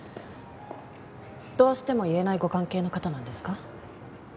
どうしても言えないご関係の方なんですか？